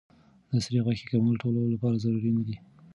د سرې غوښې کمول ټولو لپاره ضروري نه دي.